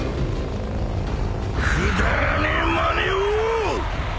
くだらねえまねを！